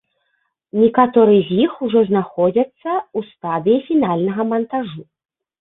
Некаторыя з іх ужо знаходзяцца ў стадыі фінальнага мантажу.